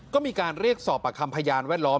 ก็มีการเรียกสอบประคำพยานแวดล้อม